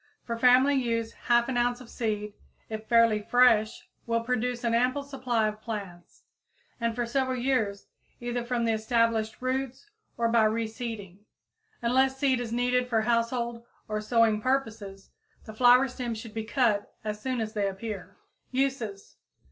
For family use half an ounce of seed, if fairly fresh, will produce an ample supply of plants, and for several years, either from the established roots or by reseeding. Unless seed is needed for household or sowing purposes, the flower stems should be cut as soon as they appear. _Uses.